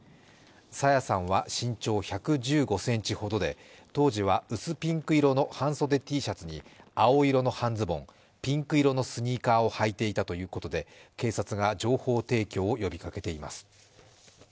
朝芽さんは身長１１５ｃｍほどで当時は薄ピンク色の半袖Ｔシャツに青色の半ズボン、ピンク色のスニーカーを履いていたということで、警察が情報提供を呼びかけています。